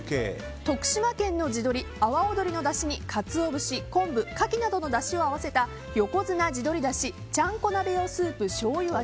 徳島県の地鶏・阿波尾鶏のだしにカツオ節、昆布カキなどのだしを合わせた横綱地鶏だしちゃんこ鍋用スープ醤油味。